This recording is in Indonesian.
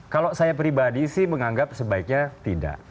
kalau saya pribadi sih menganggap sebaiknya tidak